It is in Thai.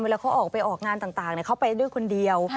เวลาเขาออกไปออกงานต่างเขาไปด้วยคนเดียว